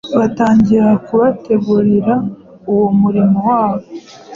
batangira kubategurira uwo murimo wabo.